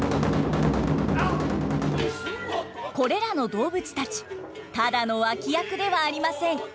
これらの動物たちただの脇役ではありません。